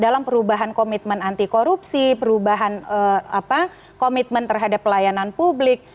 dalam perubahan komitmen anti korupsi perubahan komitmen terhadap pelayanan publik